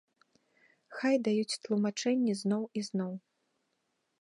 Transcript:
Хай даюць тлумачэнні зноў і зноў.